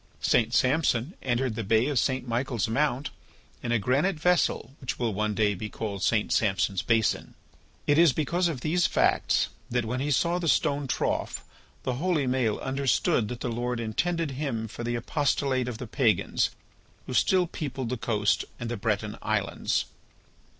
St. Samson entered the Bay of St. Michael's Mount in a granite vessel which will one day be called St. Samson's basin. It is because of these facts that when he saw the stone trough the holy Maël understood that the Lord intended him for the apostolate of the pagans who still peopled the coast and the Breton islands.